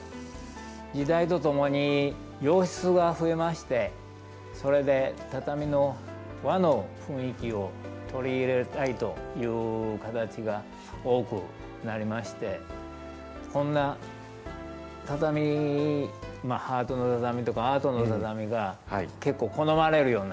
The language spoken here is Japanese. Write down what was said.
時代とともに洋室が増えましてそれで畳の和の雰囲気を取り入れたいという方たちが多くなりましてこんな畳ハートの畳とかアートの畳が結構好まれるようになりました。